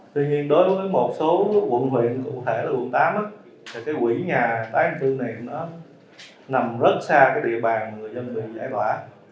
tuy nhiên đối với một số quận nguyện cụ thể là quận tám á thì cái quỹ nhà tái định cư này nó nằm rất xa cái địa bàn mà người dân bị giải đoả